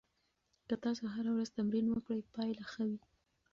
که تاسو هره ورځ تمرین وکړئ، پایله ښه وي.